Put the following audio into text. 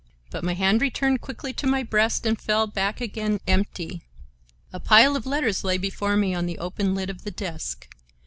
But my hand returned quickly to my breast and fell hack again empty. A pile of letters lay before me on the open lid of the desk.